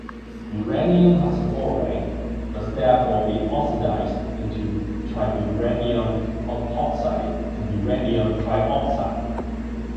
Uranium hexafluoride must therefore be oxidized into triuranium octoxide and uranium trioxide.